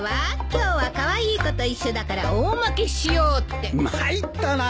「今日はカワイイ子と一緒だから大まけしようって」まいったな。